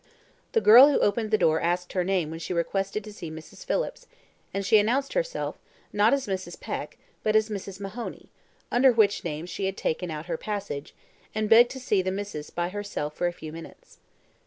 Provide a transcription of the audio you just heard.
The girl who opened the door asked her name when she requested to see Mrs. Phillips, and she announced herself, not as Mrs. Peck, but as Mrs. Mahoney, under which name she had taken out her passage, and begged to see the missis by herself for a few minutes.